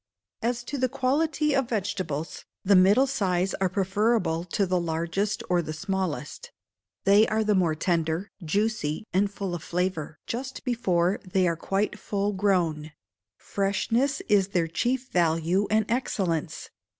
As to the quality of vegetables, the middle size are preferable to the largest or the smallest; they are more tender, juicy, and full of flavour, just before they are quite full grown: freshness is their chief value and excellence.